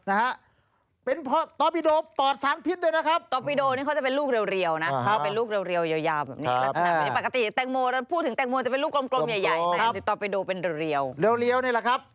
เร็วนี่หละครับ